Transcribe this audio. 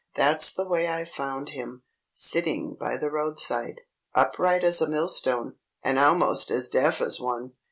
"That's the way I found him, sitting by the roadside! Upright as a milestone, and almost as deaf as one!"